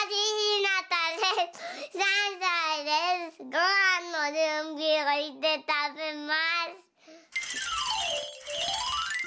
ごはんのじゅんびをしてたべます。